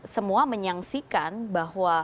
semua menyaksikan bahwa